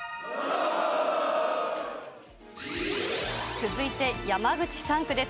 続いて山口３区です。